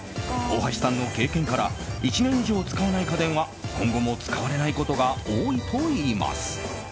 大橋さんの経験から１年以上使わない家電は今後も使われないことが多いといいます。